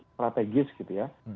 strategis gitu ya